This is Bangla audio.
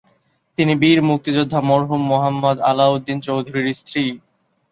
তিনি বীর মুক্তিযোদ্ধা মরহুম মো: আলাউদ্দিন চৌধুরীর স্ত্রী।